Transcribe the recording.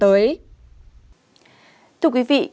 thưa quý vị các ca mắc và tử vong đã có chiều hướng